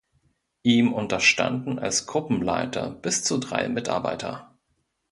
Ihm unterstanden als Gruppenleiter bis zu drei Mitarbeiter.